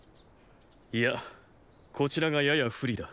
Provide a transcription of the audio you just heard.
いやこちらがやや不利だ。